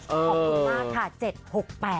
ขอบคุณมากค่ะ